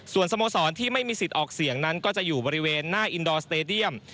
ส่วนสโมสรที่ไม่มีสิทธิ์ออกเสียงนั้นก็จะอยู่บริเวณหน้าอินดอร์สเตดียม